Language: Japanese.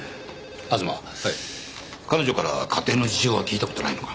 東はい彼女から家庭の事情は聞いたことないのか？